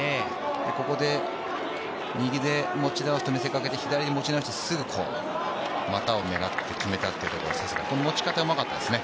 ここで右で持ち直すと見せかけて左で持ち直してすぐ股を狙って決めたというところ、さすが持ち方うまかったですね。